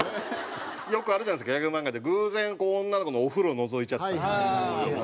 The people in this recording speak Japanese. よくあるじゃないですかギャグ漫画で偶然女の子のお風呂のぞいちゃったみたいな。